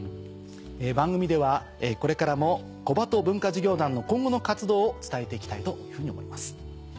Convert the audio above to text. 番組ではこれからも小鳩文化事業団の今後の活動を伝えて行きたいというふうに思います。